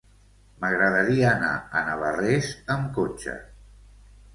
M'agradaria anar a Navarrés amb cotxe.